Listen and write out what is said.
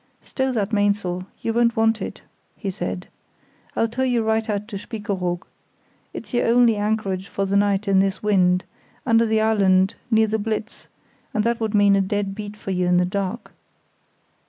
"Stow that mainsail, you won't want it," he said. "I'll tow you right out to Spiekeroog. It's your only anchorage for the night in this wind—under the island, near the Blitz, and that would mean a dead beat for you in the dark."